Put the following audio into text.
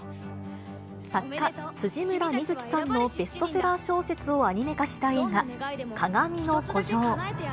作家、辻村深月さんのベストセラー小説をアニメ化した映画、かがみの孤城。